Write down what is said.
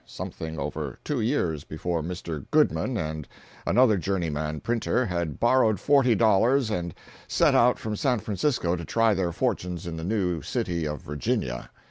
Something over two years before, Mr. Goodman and another journeyman printer, had borrowed forty dollars and set out from San Francisco to try their fortunes in the new city of Virginia.